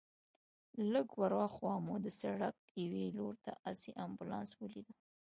لږ ورهاخوا مو د سړک یوې لور ته آسي امبولانس ولید.